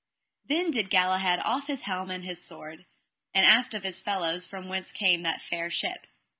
Then did Galahad off his helm and his sword, and asked of his fellows from whence came that fair ship.